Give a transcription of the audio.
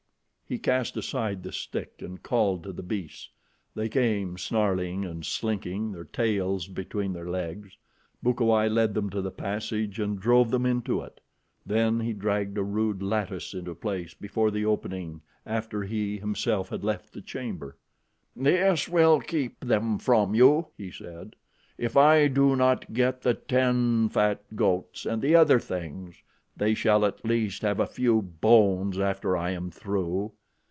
He cast aside the stick and called to the beasts. They came, snarling and slinking, their tails between their legs. Bukawai led them to the passage and drove them into it. Then he dragged a rude lattice into place before the opening after he, himself, had left the chamber. "This will keep them from you," he said. "If I do not get the ten fat goats and the other things, they shall at least have a few bones after I am through."